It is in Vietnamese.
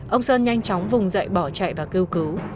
ông sơn nhanh chóng vùng dậy bỏ chạy và kêu cứu